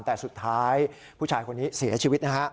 แต่สุดท้ายผู้ชายคนนี้เสียชีวิตนะฮะ